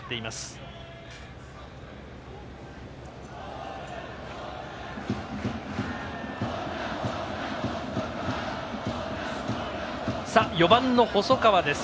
バッター、４番の細川です。